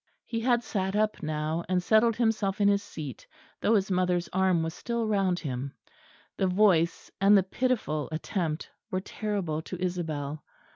He had sat up now, and settled himself in his seat, though his mother's arm was still round him. The voice and the pitiful attempt were terrible to Isabel.